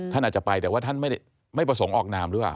ท่านอาจจะไปแต่ว่าท่านไม่ประสงค์ออกนามหรือเปล่า